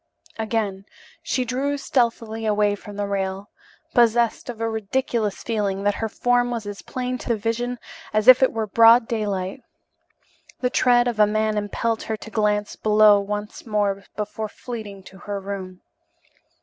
Again she drew stealthily away from the rail, possessed of a ridiculous feeling that her form was as plain to the vision as if it were broad daylight. The tread of a man impelled her to glance below once more before fleeing to her room.